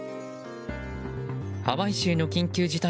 ハワイ州の緊急事態